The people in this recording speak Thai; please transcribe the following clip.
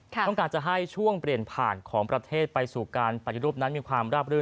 ต้องการจะให้ช่วงเปลี่ยนผ่านของประเทศไปสู่การปฏิรูปนั้นมีความราบรื่น